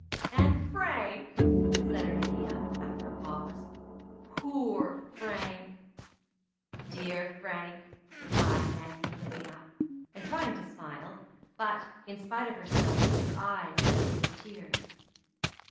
"And Frank!" said Erminia, after a pause. "Poor Frank!" "Dear Frank!" replied Maggie, looking up, and trying to smile; but, in spite of herself, her eyes filled with tears.